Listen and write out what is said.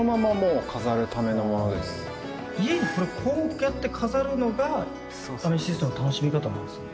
家にこれこうやって飾るのがアメシストの楽しみ方なんですね